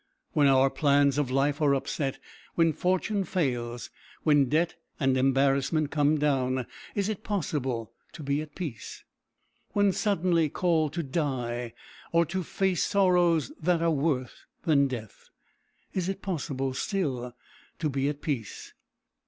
When our plans of life are upset, when fortune fails, when debt and embarrassment come down, is it possible to be at peace? When suddenly called to die, or to face sorrows that are worse than death, is it possible still to be at peace?